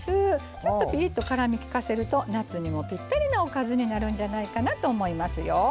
ちょっとピリッと辛みきかせると夏にもぴったりのおかずになるんじゃないかなと思いますよ。